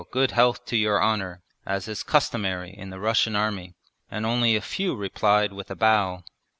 Good health to your honour,' as is customary in the Russian Army, and only a few replied with a bow.